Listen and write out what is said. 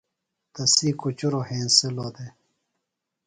تسی کُچُروۡ ہینسِلوۡ دےۡ۔